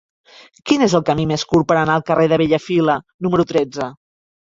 Quin és el camí més curt per anar al carrer de Bellafila número tretze?